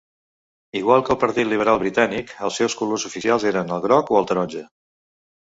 Igual que el Partit Liberal Britànic, els seus colors oficials eren el groc o el taronja.